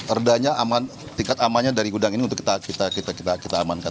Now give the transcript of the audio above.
erdanya tingkat amannya dari gudang ini untuk kita amankan kita padamkan